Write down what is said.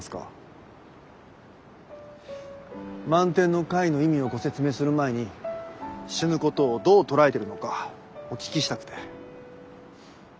「満天の会」の意味をご説明する前に死ぬことをどう捉えてるのかお聞きしたくて。